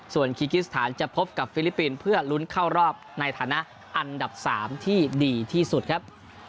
ส่วนคีกิสถานจะพบกับฟิลิปปินส์เพื่อลุ้นเข้ารอบในฐานะอันดับ๓ที่ดีที่สุดครับ